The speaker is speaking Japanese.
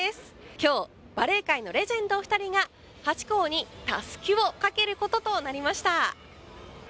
今日、バレー界のレジェンドお二人がハチ公にたすきをかけることとなりました。